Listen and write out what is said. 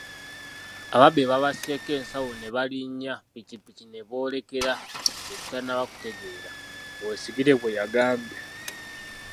“Ababbi babasiseeko ensawo ne balinnye pikipiki ne boolekera gye tutannaba kutegeera,” Oweyesigire bwe yagambye.